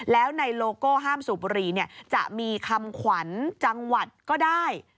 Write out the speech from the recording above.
แล้วในโลโก้ห้ามสูบบุรีจะมีคำขวัญจังหวัดก็ได้